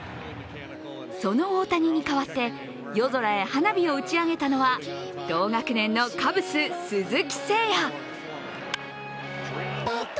その大谷に代わって夜空へ花火を打ち上げたのは、同学年のカブス・鈴木誠也。